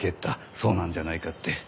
そうなんじゃないかって。